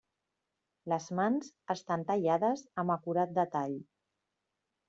Les mans estan tallades amb acurat detall.